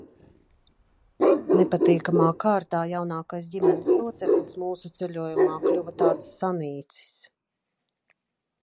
Nepatīkamā kārtā jaunākais ģimenes loceklis mūsu ceļojumā kļuva tāds sanīcis.